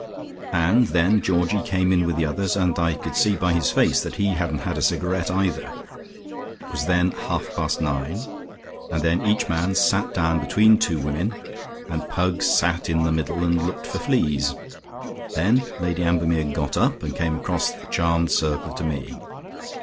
And then Georgie came in with the others, and I could see by his face that he hadn't had a cigarette either. It was then half past nine. And then each man sat down between two women, and Pug sat in the middle and looked for fleas. Then Lady Ambermere got up, and came across the charmed circle to me.